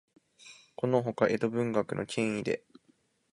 このほか、江戸文学の権威で、